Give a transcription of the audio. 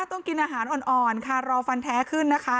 ต้องกินอาหารอ่อนค่ะรอฟันแท้ขึ้นนะคะ